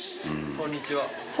こんにちは。